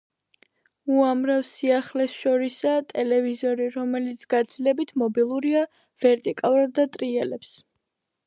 უამრავ სიახლეს შორისაა ტელევიზორი, რომელიც გაცილებით მობილურია, ვერტიკალურად და ტრიალებს.